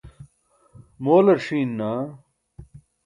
moolar ṣiin naa